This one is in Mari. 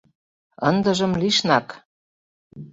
Ындыжым лишнак.